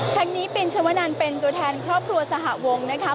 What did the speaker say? ทั้งนี้ปินชวนันเป็นตัวแทนครอบครัวสหวงนะคะ